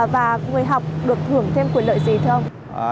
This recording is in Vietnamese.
và người học được hưởng thêm quyền lợi gì không